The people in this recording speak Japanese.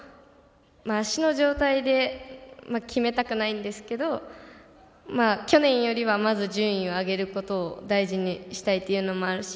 足の状態で決めたくないんですけど去年よりはまず順位を上げることを大事にしたいというのもあるし